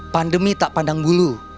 pandemi tak pandang bulu